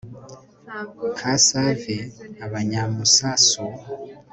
ka save, abanya musasu